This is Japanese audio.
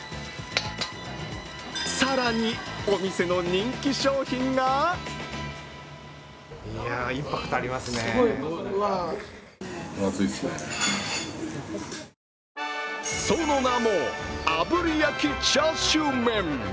更にお店の人気商品がその名も、あぶり焼チャーシューメン。